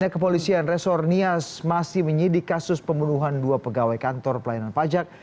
kepolisian resor nias masih menyidik kasus pembunuhan dua pegawai kantor pelayanan pajak